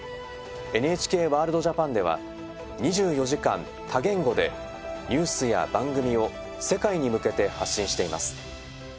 「ＮＨＫワールドＪＡＰＡＮ」では２４時間多言語でニュースや番組を世界に向けて発信しています。